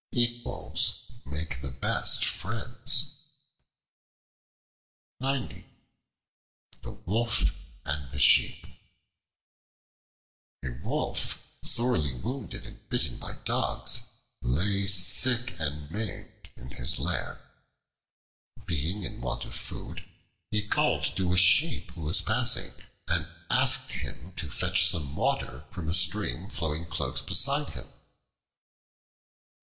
Equals make the best friends. The Wolf and the Sheep A WOLF, sorely wounded and bitten by dogs, lay sick and maimed in his lair. Being in want of food, he called to a Sheep who was passing, and asked him to fetch some water from a stream flowing close beside him.